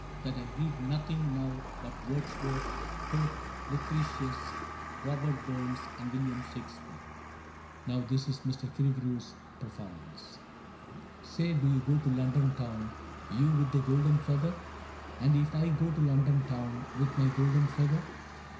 That I read nothing now but Wordsworth, Pope, Lucretius, Robert Burns, and William Shake speare. Now this is Mr. Killigrew's performance : 48 CAPTAIN CRAIG "' Say^ do you go to London Town^ Tou with the golden feather ?*—* And if I go to London Town With my golden feather